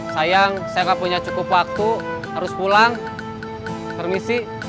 sayang saya gak punya cukup waktu harus pulang permisi